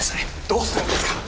どうするんですか！？